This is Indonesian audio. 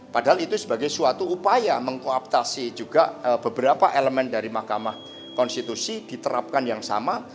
padahal itu sebagai suatu upaya mengkooptasi juga beberapa elemen dari mahkamah konstitusi diterapkan yang sama